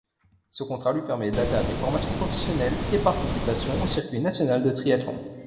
Ce contrat lui permet d'alterner formation professionnelle et participation au circuit national de triathlon.